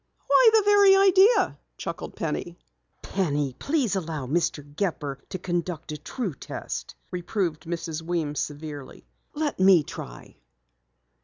"Why, the very idea," chuckled Penny. "Penny, please allow Mr. Gepper to conduct a true test," reproved Mrs. Weems severely. "Let me try."